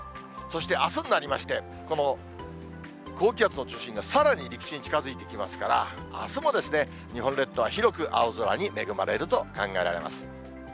そしてあすになりまして、この高気圧の中心がさらに陸地に近づいてきますから、あすも、日本列島は広く青空に恵まれると考えられます。